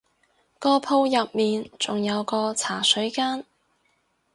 個鋪入面仲有個茶水間